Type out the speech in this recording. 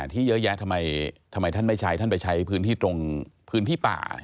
ที่เยอะแยะทำไมท่านไม่ใช้ท่านไปใช้พื้นที่ตรงพื้นที่ป่า